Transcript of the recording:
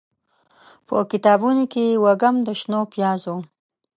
به کتابونوکې یې، وږم د شنو پیازو